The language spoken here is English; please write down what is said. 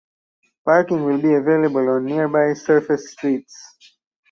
Parking will be available on nearby surface streets.